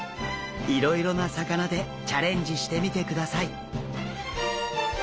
いろいろな魚でチャレンジしてみてください。